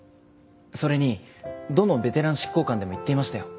それにどのベテラン執行官でも言っていましたよ。